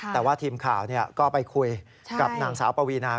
แต่ว่าทีมข่าวก็ไปคุยกับนางสาวปวีนา